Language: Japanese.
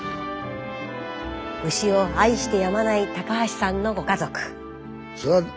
牛を愛してやまない橋さんのご家族。